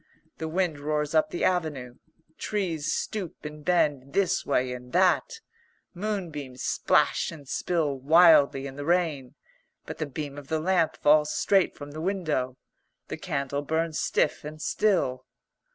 The wind roars up the avenue. Trees stoop and bend this way and that. Moonbeams splash and spill wildly in the rain. But the beam of the lamp falls straight from the window. The candle burns stiff and still.